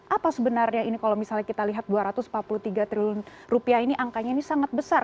apa sebenarnya ini kalau misalnya kita lihat dua ratus empat puluh tiga triliun rupiah ini angkanya ini sangat besar